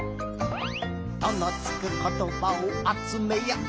「『と』のつくことばをあつめよう」